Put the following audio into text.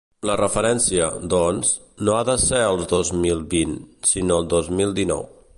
La referència, doncs, no ha de ser el dos mil vint, sinó el dos mil dinou.